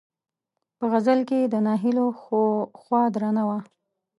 په غزل کې یې د ناهیلیو خوا درنه وه.